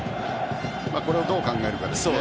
これをどう考えるかですね。